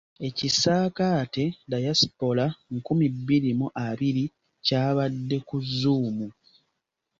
Ekisaakaate Dayasipola nkumi bbiri mu abiri kyabadde ku zzuumu.